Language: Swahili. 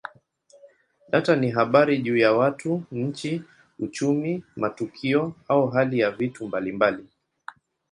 Data ni habari juu ya watu, nchi, uchumi, matukio au hali ya vitu mbalimbali.